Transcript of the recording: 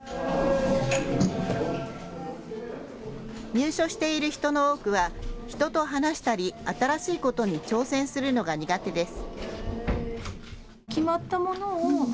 入所している人の多くは人と話したり、新しいことに挑戦するのが苦手です。